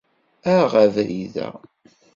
Aɣ abrid-a.